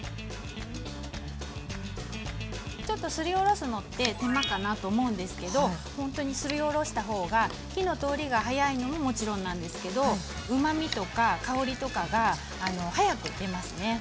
ちょっとすりおろすのって手間かなと思うんですけどほんとにすりおろした方が火の通りが早いのももちろんなんですけどうまみとか香りとかが早く出ますね。